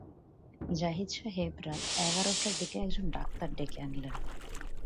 জাহিদ সাহেব রাত এগারটার দিকে একজন ডাক্তার ডেকে আনলেন।